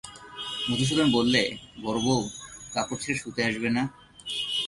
মধুসূদন বললে, বড়োবউ, কাপড় ছেড়ে শুতে আসবে না?